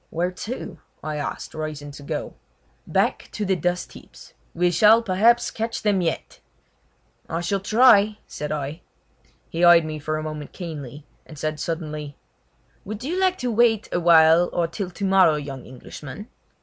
"Where to?" I asked, rising to go. "Back to the dust heaps. We shall, perhaps, catch them yet!" "I shall try!" said I. He eyed me for a moment keenly, and said suddenly: "Would you like to wait a while or till tomorrow, young Englishman?"